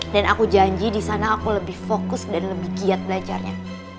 dan aku janji disana aku lebih fokus dan lebih giat belajarnya